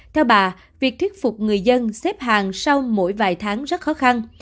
theo bà việc thuyết phục người dân xếp hàng sau mỗi vài tháng rất khó khăn